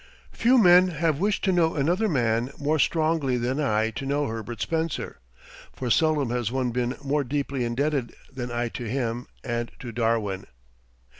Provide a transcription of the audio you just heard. Few men have wished to know another man more strongly than I to know Herbert Spencer, for seldom has one been more deeply indebted than I to him and to Darwin.